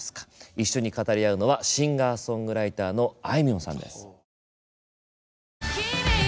一緒に語り合うのはシンガーソングライターのあいみょんさんです。